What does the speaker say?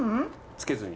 つけずに。